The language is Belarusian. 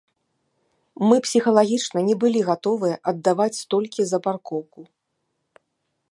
Мы псіхалагічна не былі гатовыя аддаваць столькі за паркоўку.